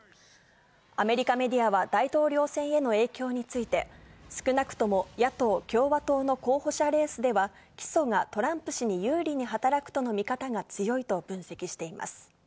アメリカメディアは大統領選への影響について、少なくとも野党・共和党の候補者レースでは、起訴がトランプ氏に有利に働くとの見方が強いと分析しています。